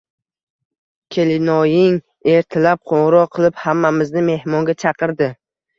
Kelinoying ertalab qo`ng`iroq qilib, hammamizni mehmonga chaqirdi